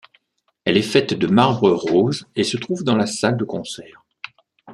Elle est faite de marbre rose et se trouve dans la salle de concert.